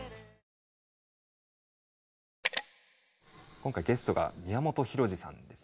今回ゲストが宮本浩次さんです。